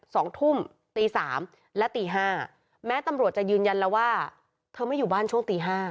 สองทุ่มตีสามและตีห้าแม้ตำรวจจะยืนยันแล้วว่าเธอไม่อยู่บ้านช่วงตีห้า